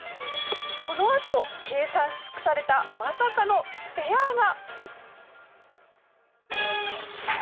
このあと計算し尽くされたまさかのスペアが！